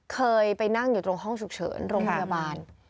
เคยไปนั่งอยู่ตรงห้องฉุกเฉินโรงพยาบาล